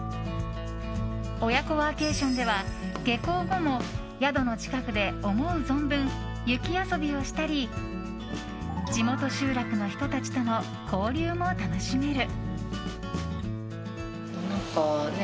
親子ワーケーションでは下校後も宿の近くで思う存分、雪遊びをしたり地元集落の人たちとの交流も楽しめる。